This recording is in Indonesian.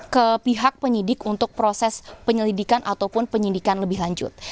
ke pihak penyidik untuk proses penyelidikan ataupun penyidikan lebih lanjut